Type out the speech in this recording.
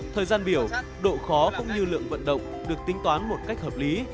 thời gian biểu độ khó cũng như lượng vận động được tính toán một cách hợp lý